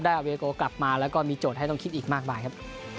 อาเวโกกลับมาแล้วก็มีโจทย์ให้ต้องคิดอีกมากมายครับ